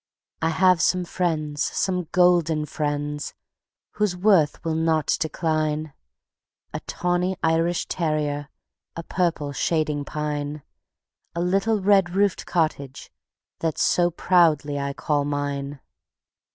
I have some friends, some golden friends, Whose worth will not decline: A tawny Irish terrier, a purple shading pine, A little red roofed cottage that So proudly I call mine.